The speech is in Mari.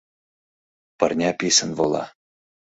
Пырня писын вола.